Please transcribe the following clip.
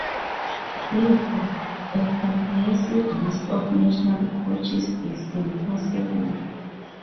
Therefore, a comprehensive list of national coaches is impossible.